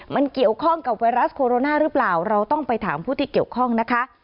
มันเกี่ยวข้องกับไวรัสโคโรนาหรือเปล่าเราต้องไปถามผู้ที่เกี่ยวข้องนะคะ